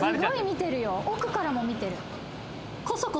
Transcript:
奥からも見てる。